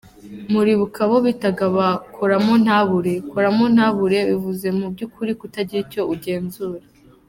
Muribuka abo bitaga ba ‘koramontabure’, koramontabure bivuze mu by’ukuri kutagira icyo ugenzura.